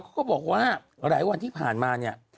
ก็บอกว่าหลายวันที่ผ่านมาเนี่ย